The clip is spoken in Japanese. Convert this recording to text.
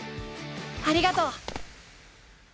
ありがとう！